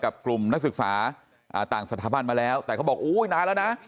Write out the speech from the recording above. กลุ่มนักศึกษาต่างสถาบันมาแล้วแต่เขาบอกอุ้ยนานแล้วนะ